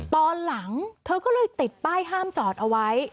ตอนหลังเธอก็เลยติดป้ายห้ามจอดเอาไว้